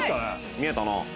見えたな。